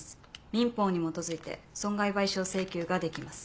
民法に基づいて損害賠償請求ができます。